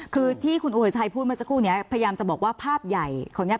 คือที่คุณอุทัยพูดเมื่อสักครู่นี้พยายามจะบอกว่าภาพใหญ่คนนี้